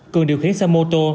cường điều khiển xe mô tô